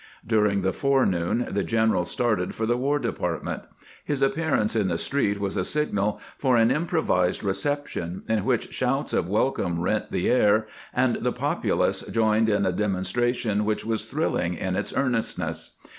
During the fore noon the general started for the War Department. His appearance in the street was a signal for an improvised reception, in which shouts of welcome rent the air, and the populace joined in a demonstration which was thrilling in its earnestness.